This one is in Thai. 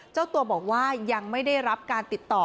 เจ้าตัวบอกว่ายังไม่ได้รับการติดต่อ